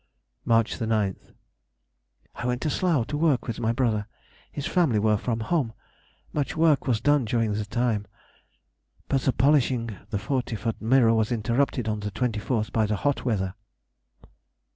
Mar. 9th.—I went to Slough to work with my brother. His family were from home. Much work was done during the time, but the polishing the forty foot was interrupted on the 24th by the hot weather.